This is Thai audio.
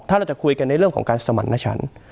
ถ้าเราจะคุยกันในเรื่องของการสมัครหน้าฉัน